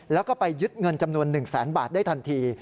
แล้วก็ไปยึดเงินจำนวน๑แสนบาทได้ทันที